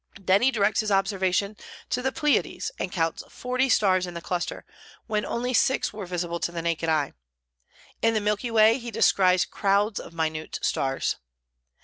Then he directs his observations to the Pleiades, and counts forty stars in the cluster, when only six were visible to the naked eye; in the Milky Way he descries crowds of minute stars.